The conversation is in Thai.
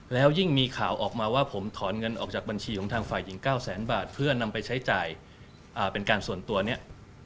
แล้วยิ่งมีข่าวออกมาว่าผมถอนเงินออกจากบัญชีของทางฝ่ายหญิง๙แสนบาทเพื่อนำไปใช้จ่ายเป็นการส่วนตัวเนี่ย